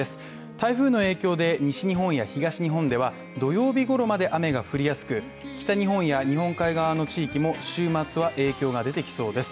台風の影響で西日本や東日本では、土曜日ごろまで雨が降りやすく北日本や日本海側の地域も週末は影響が出てきそうです。